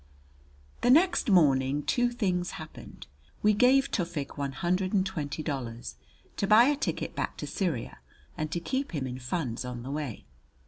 The next morning two things happened. We gave Tufik one hundred and twenty dollars to buy a ticket back to Syria and to keep him in funds on the way.